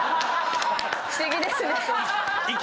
不思議ですね。